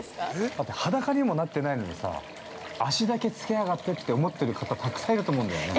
◆だって、裸にもなってないのにさ、足だけつけやがってって思ってる方、たくさんいると思うんだよね。